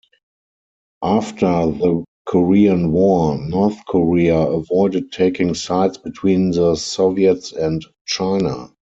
After the Korean War, North Korea avoided taking sides between the Soviets and China.